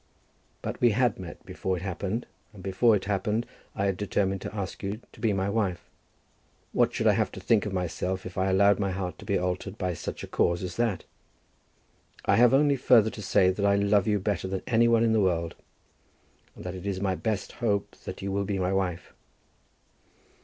But we had met before it happened, and before it happened I had determined to ask you to be my wife. What should I have to think of myself if I allowed my heart to be altered by such a cause as that? I have only further to say that I love you better than any one in the world, and that it is my best hope that you will be my wife.